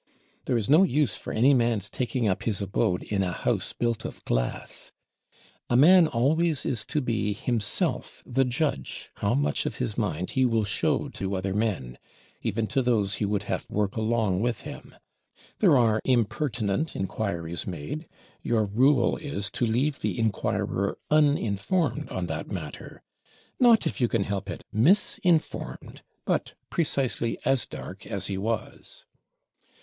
There is no use for any man's taking up his abode in a house built of glass. A man always is to be himself the judge how much of his mind he will show to other men; even to those he would have work along with him. There are impertinent inquiries made: your rule is, to leave the inquirer _un_informed on that matter; not, if you can help it, _mis_informed, but precisely as dark as he was!